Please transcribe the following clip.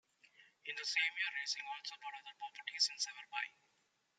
In the same year Raysing also bought other properties in Sewerby.